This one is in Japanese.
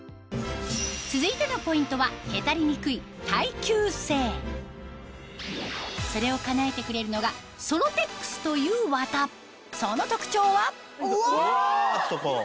続いてのポイントはそれをかなえてくれるのがソロテックスという綿その特徴はうわ！